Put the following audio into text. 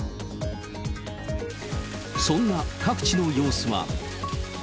そんな各地の様子は。